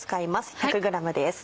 １００ｇです。